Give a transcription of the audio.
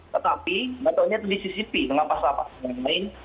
tetapi nggak tahunya itu disisipi dengan pasal apa yang lain